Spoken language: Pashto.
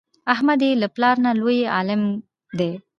احمد یې له پلار نه لوی عالم دی.